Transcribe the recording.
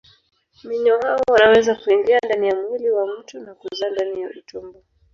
Minyoo hao wanaweza kuingia ndani ya mwili wa mtu na kuzaa ndani ya utumbo.